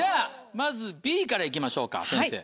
まずＢから行きましょうか先生。